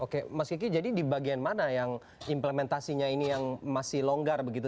oke mas kiki jadi di bagian mana yang implementasinya ini yang masih longgar begitu